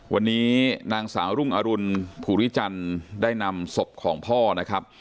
วันนี้นางสาวรุ่งอรุณภูริจันทร์ได้นำศพของพ่อนะครับ